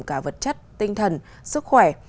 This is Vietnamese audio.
cả vật chất tinh thần sức khỏe